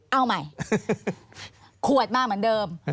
เอาใหม่ขวดมาเหมือนเดิม